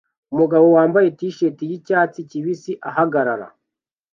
Umugabo wambaye t-shirt yicyatsi kibisi ahagarara